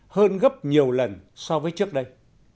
hơn gấp nhiều lần so với trước đây